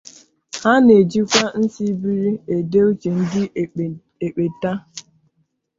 Ha ne ji kwa nsibiri e de uche ndi Ekpe taa.